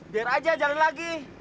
biar aja jangan lagi